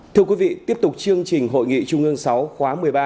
thưa quý vị tiếp tục chương trình hội nghị trung ương sáu khóa một mươi ba